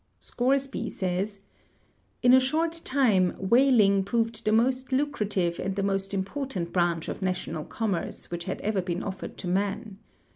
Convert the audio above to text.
Scoresby says: " In a short time (whaling) proved the most lucrative and the most important branch of national commerce which had ever been offered to man."